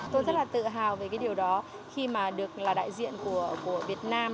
tôi rất là tự hào về cái điều đó khi mà được là đại diện của việt nam